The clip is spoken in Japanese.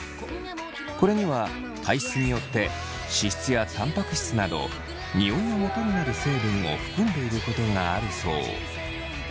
これには体質によって脂質やタンパク質などニオイのもとになる成分を含んでいることがあるそう。